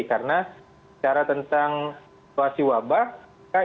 karena secara tentang situasi wabah